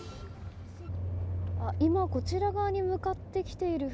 今、こちら側に向かってきている船